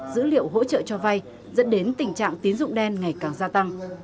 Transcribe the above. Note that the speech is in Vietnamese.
dữ liệu hỗ trợ cho vay dẫn đến tình trạng tín dụng đen ngày càng gia tăng